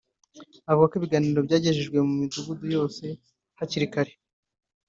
Avuga ko ibiganiro byagejejwe mu midugudu yose hakiri kare